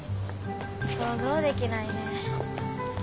想像できないねぇ。